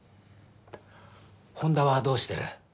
本田はどうしてる？